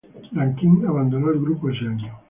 Rankine abandonó el grupo ese año.